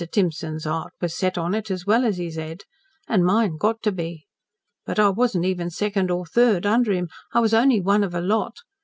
Timson's heart was set on it as well as his head. An' mine got to be. But I wasn't even second or third under him I was only one of a lot.